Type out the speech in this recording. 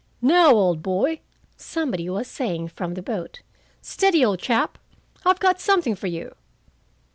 "Now, old boy!" somebody was saying from the boat. "Steady, old chap! I've got something for you."